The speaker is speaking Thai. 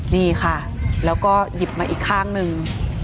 นี่ค่ะแล้วก็หยิบมาอีกข้างหนึ่ง